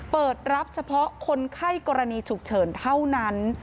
เปิดรับเฉพาะคนไข้กรณีฉุกเฉินเท่านั้น